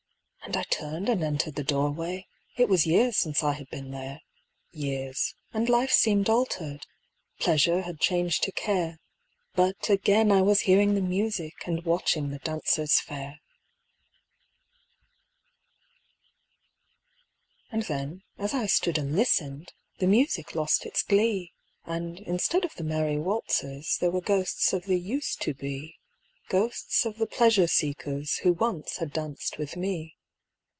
And I turned and entered the doorway It was years since I had been there Years, and life seemed altered: Pleasure had changed to care. But again I was hearing the music And watching the dancers fair. And then, as I stood and listened, The music lost its glee; And instead of the merry waltzers There were ghosts of the Used to be Ghosts of the pleasure seekers Who once had danced with me.